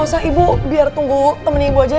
gak usah ibu biar tunggu temen ibu aja ya